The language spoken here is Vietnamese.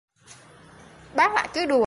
Bác lại cứ đùa